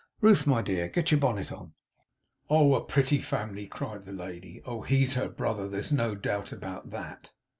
Ruth, my dear, get your bonnet on!' 'Oh, a pretty family!' cried the lady. 'Oh, he's her brother! There's no doubt about that!